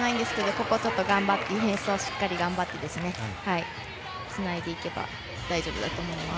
ここをちょっとディフェンスをしっかり頑張ってつないでいけば大丈夫だと思います。